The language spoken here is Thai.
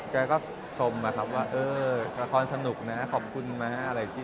แกก็ชมนะครับว่าเออละครสนุกนะขอบคุณนะอะไรอย่างนี้